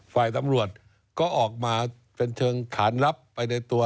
ฝ่ายตำรวจก็ออกมาเป็นเชิงขานรับไปในตัว